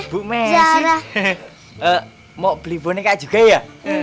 bu messi mau beli boneka juga ya